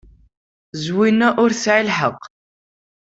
Zwina ur tesɛi lḥeqq.